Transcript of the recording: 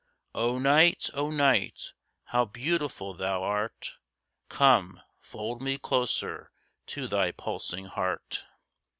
O Night, O Night, how beautiful thou art! Come, fold me closer to thy pulsing heart.